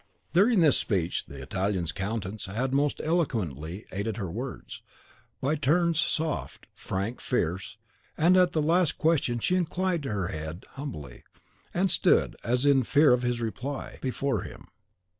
During this speech the Italian's countenance had most eloquently aided her words, by turns soft, frank, fierce, and at the last question she inclined her head humbly, and stood, as in fear of his reply, before him.